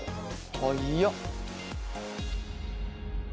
早っ。